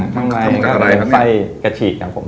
ข้างในก็เป็นไส้กระฉีกครับผม